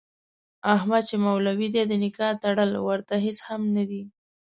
احمد چې مولوي دی د نکاح تړل ورته هېڅ هم نه دي.